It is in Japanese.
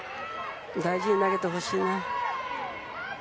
大事に投げてほしいな。